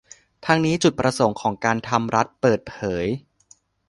ทั้งนี้จุดประสงค์ของการทำรัฐเปิดเผย